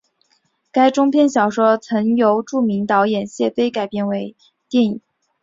该中篇小说曾由著名导演谢飞改编为电影。